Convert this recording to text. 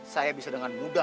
saya bisa dengan mudah